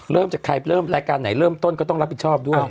เริ่มจากใครเริ่มรายการไหนเริ่มต้นก็ต้องรับผิดชอบด้วย